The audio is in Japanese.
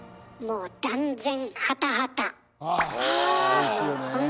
おいしいよねえ。